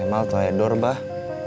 kemal tuh ada dor bah